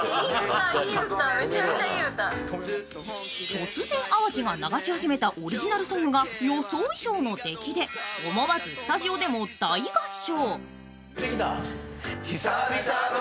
突然淡路が流し始めたオリジナルソングが予想以上の出来で、思わずスタジオでも大合唱！